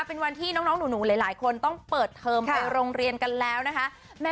เป็นวันที่น้องหนูหลายคนต้องเปิดเทอมไปโรงเรียนกันแล้วนะคะ